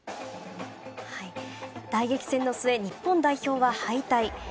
大激戦の末日本代表は敗退。